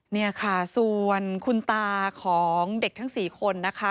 นี่ค่ะส่วนคุณตาของเด็กทั้ง๔คนนะคะ